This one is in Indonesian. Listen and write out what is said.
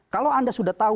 kalau anda sudah tahu